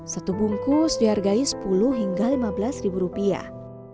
satu bungkus dihargai sepuluh hingga lima belas ribu rupiah